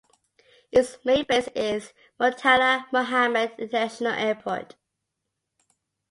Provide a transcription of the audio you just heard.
Its main base is Murtala Mohammed International Airport.